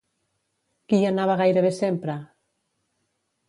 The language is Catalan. Qui hi anava gairebé sempre?